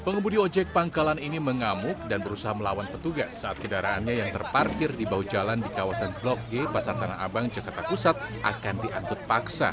pengemudi ojek pangkalan ini mengamuk dan berusaha melawan petugas saat kendaraannya yang terparkir di bawah jalan di kawasan blok g pasar tanah abang jakarta pusat akan diangkut paksa